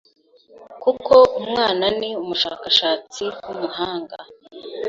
kuko umwana ni umushakashatsi w'umuhanga